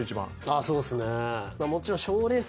ああそうですね。